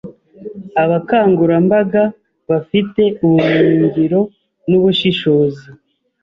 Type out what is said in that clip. abakangurambaga ba fi te ubumenyingiro n’ubushishoz